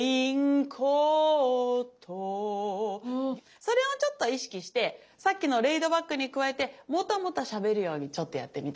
それをちょっと意識してさっきのレイドバックに加えてもたもたしゃべるようにちょっとやってみて。